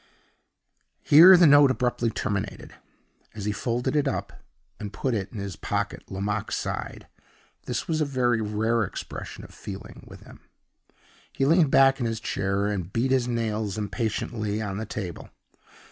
Here the note abruptly terminated. As he folded it up and put it in his pocket, Lomaque sighed. This was a very rare expression of feeling with him. He leaned back in his chair, and beat his nails impatiently on the table.